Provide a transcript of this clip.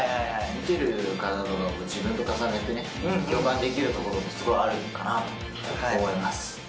見てる方も自分と重ねてね、共感できるところ、すごいあるのかなと思います。